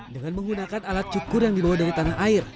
dengan menggunakan alat cukur yang dibawa dari tanah air